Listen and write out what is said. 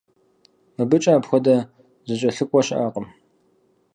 Мыбыкӏэ апхуэдэ зэкӀэлъыкӀуэ щыӀэкъым.